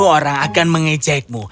orang akan mengejekmu